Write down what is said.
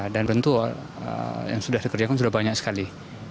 dan tentu yang sudah dikerjakan sudah banyak sekali